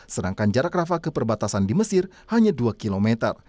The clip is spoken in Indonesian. sedangkan jarak rafa ke perbatasan di mesir hanya dua km